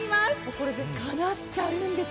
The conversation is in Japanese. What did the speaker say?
これでかなっちゃうんです。